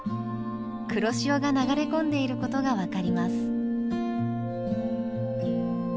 黒潮が流れ込んでいることが分かります。